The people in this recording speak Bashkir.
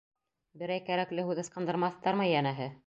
Берәй кәрәкле һүҙ ыскындырмаҫтармы, йәнәһе.